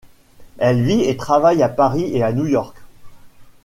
Elle vit et travaille à Paris et à New York.